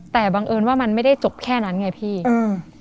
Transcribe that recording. แต่บังเอิญว่ามันไม่ได้จบแค่นั้นไงพี่อืม